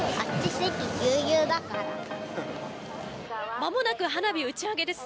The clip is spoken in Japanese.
まもなく花火打ち上げです。